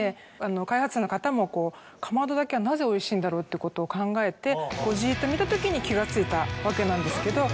開発者の方もかまど炊きはなぜおいしいんだろうっていうことを考えてじっと見たときに気が付いたわけなんですけど。